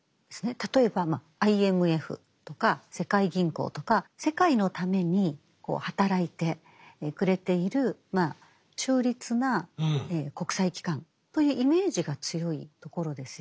例えばＩＭＦとか世界銀行とか世界のために働いてくれている中立な国際機関というイメージが強いところですよね。